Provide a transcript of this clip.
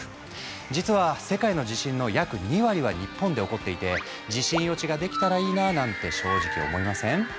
実は世界の地震の約２割は日本で起こっていて「地震予知ができたらいいな」なんて正直思いません？